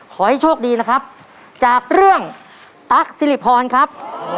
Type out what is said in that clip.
ขอให้โชคดีนะครับจากเรื่องตั๊กสิริพรครับ